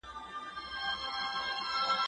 زه زدکړه کړې ده